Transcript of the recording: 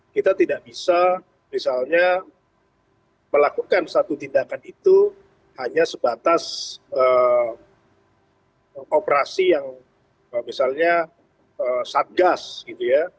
kita tidak bisa misalnya melakukan satu tindakan itu hanya sebatas operasi yang misalnya satgas gitu ya